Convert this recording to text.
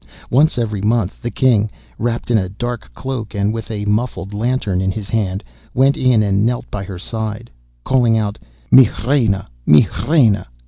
Once every month the King, wrapped in a dark cloak and with a muffled lantern in his hand, went in and knelt by her side calling out, 'Mi reina! Mi reina!